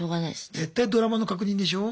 絶対ドラマの確認でしょう？